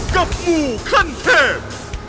กับมูขั้นแทบ